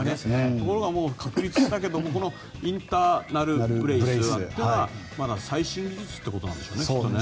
ところがもう確立したけどもこのインターナル・ブレースというのは最新技術ということなんでしょうね。